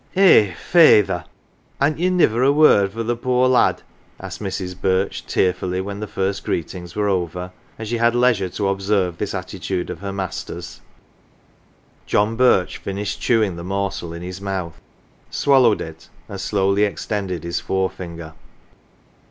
" Eh ! feyther, hant ye niver a word for the poor lad ?" asked Mrs. Birch tearfully, when the first greet ings were over, and she had leisure to observe this attitude of her master's. John Birch finished chewing the morsel in his mouth, swallowed it, and slowly extended his forefinger.